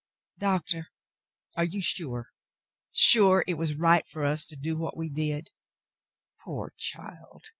Doctor, are you sure — sure — it was right for us to do what we did?" "Poor child